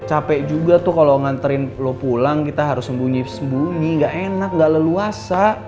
capek juga tuh kalau nganterin lo pulang kita harus sembunyi sembunyi gak enak gak leluasa